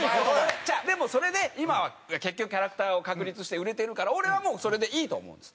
でもそれで今は結局キャラクターを確立して売れてるから俺はもうそれでいいと思うんです。